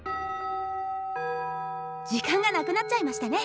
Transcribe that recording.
時間がなくなっちゃいましたね。